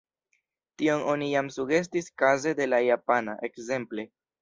Tion oni jam sugestis kaze de la japana, ekzemple.